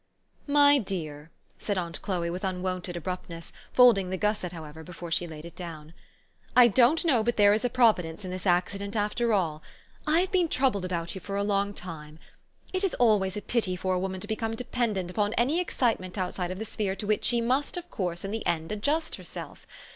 "My dear," said aunt Chloe with unwonted ab ruptness, folding the gusset, however, before she laid it down, "I don't know but there is a provi dence in this accident, after all. I have been troubled about you for a long time. It is always a pity for a woman to become dependent upon any excitement outside of the sphere to which she must, of course, in the end, adjust herself.